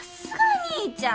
父ちゃん！